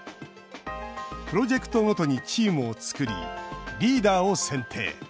プロジェクトごとにチームを作りリーダーを選定。